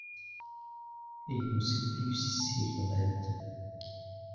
Il ne sait plus si c’est lé rêve